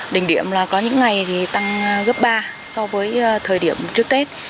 đỉnh điểm là có những ngày thì tăng gấp ba so với thời điểm trước tết